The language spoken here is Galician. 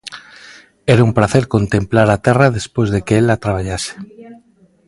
Era un pracer contemplar a terra despois de que el a traballase.